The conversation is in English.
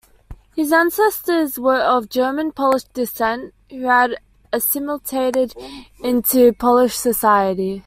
His ancestors were of German Polish descent who had assimilated into Polish society.